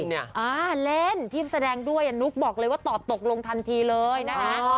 เล่นที่แสดงด้วยนุ๊กบอกเลยว่าตอบตกลงทันทีเลยนะคะ